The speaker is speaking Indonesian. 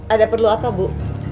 ada perlu apa bu